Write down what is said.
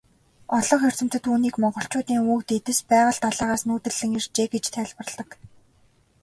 Олонх эрдэмтэд үүнийг монголчуудын өвөг дээдэс Байгал далайгаас нүүдэллэн иржээ гэж тайлбарладаг.